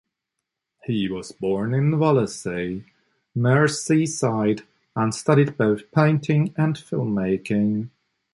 He was born in Wallasey, Merseyside and studied both painting and filmmaking.